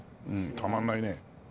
たまんないね。